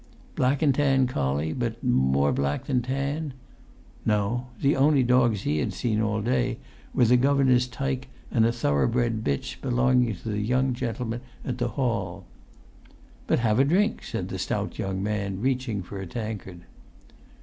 Black and tan collie, but more black than tan? No; the only dogs he had seen all day were the governor's tyke and a thoroughbred bitch belonging to the young gentleman at the hall. "But have a drink," said the stout young man, reaching for a tankard.